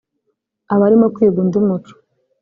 aba arimo kwiga undi muco